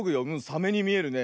サメにみえるね。